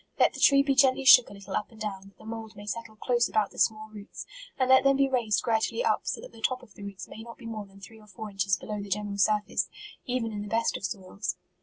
Let the tree be gently shook a little up and down, that the mould may set tle close about the small roots ; and let them be raised gradually up, so that the top of the Koots may not be more than three or four MARCH. 39 inches below the general surface, even in the best of soils.